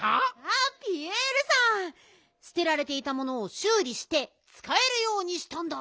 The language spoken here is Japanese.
あっピエールさんすてられていたものをしゅうりしてつかえるようにしたんだ。